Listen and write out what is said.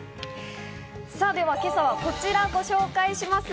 さあ、では今朝まずこちらをご紹介します。